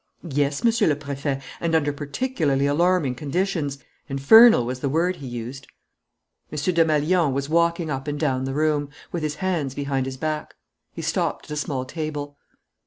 "Yes, Monsieur le Préfet, and under particularly alarming conditions; infernal was the word he used." M. Desmalions was walking up and down the room, with his hands behind his back. He stopped at a small table.